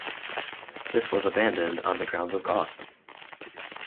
This was abandoned on the grounds of cost.